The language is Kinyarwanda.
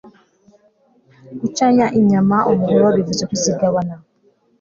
gucanya inyama umuhoro bivuze kuzigabana